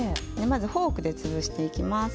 まずフォークでつぶしていきます。